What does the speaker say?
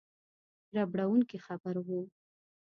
ربړوونکی خبر وو.